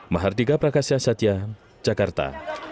mahardika prakasia satya jakarta